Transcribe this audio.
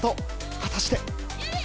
果たして。